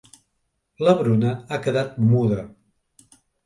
La Bruna ha quedat muda.